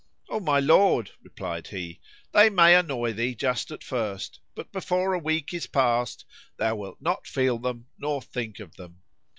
"O my lord," replied he, "they may annoy thee just at first, but before a week is past thou wilt not feel them nor think of them."